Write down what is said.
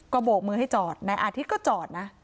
โบกมือให้จอดนายอาทิตย์ก็จอดนะ